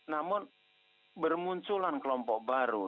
namun bermunculan kelompok baru